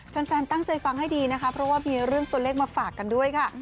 แฟนตั้งใจฟังให้ดีนะคะเพราะว่ามีเรื่องตัวเลขมาฝากกันด้วยค่ะ